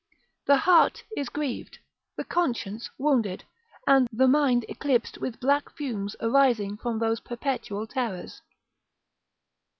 The heart is grieved, the conscience wounded, the mind eclipsed with black fumes arising from those perpetual terrors.